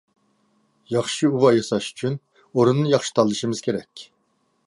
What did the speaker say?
-ياخشى ئۇۋا ياساش ئۈچۈن ئورۇننى ياخشى تاللىشىمىز كېرەك.